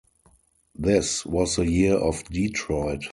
This was the year of Detroit.